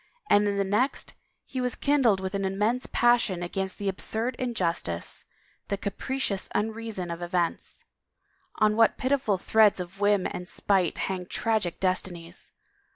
And in the next he was kindled with an immense passion against the absurd injustice, the capricious unreason of events. On what pitiful threads of whim and spite hang tragic destinies!